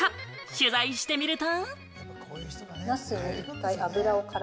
取材してみると。